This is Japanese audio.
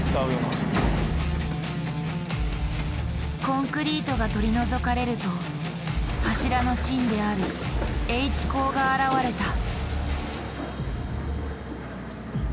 コンクリートが取り除かれると柱の芯であるＨ鋼が現れた。